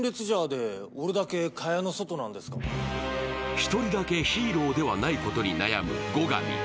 １人だけヒーローではないことに悩む後上。